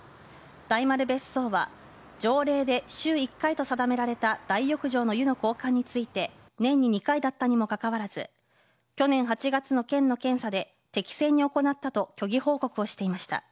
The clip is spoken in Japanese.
大丸別荘は条例で週１回と定められた大浴場の湯の交換について年に２回だったにもかかわらず去年８月の県の検査で適正に行ったと虚偽報告をしていました。